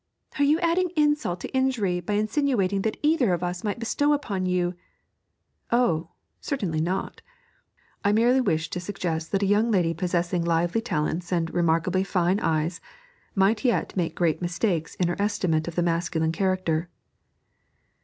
'Are you adding insult to injury by insinuating that either of us might bestow upon you ?' 'Oh! certainly not, I merely wish to suggest that a young lady possessing lively talents and "remarkably fine eyes" might yet make great mistakes in her estimate of the masculine character.'